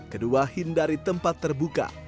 kedua hindari tempat terbuka